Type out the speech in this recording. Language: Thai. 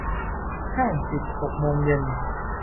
ห้างปิดหกโมงเย็น